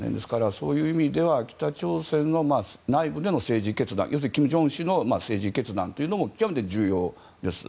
そういう意味では北朝鮮の内部での政治決断要するに金正恩氏の政治決断も極めて重要です。